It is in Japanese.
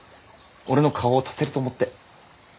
俺の顔を立てると思って。